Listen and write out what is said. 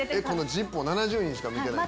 『ＺＩＰ！』７０人しか見てない？